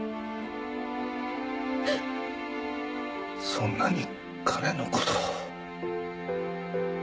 そんなに彼の事を。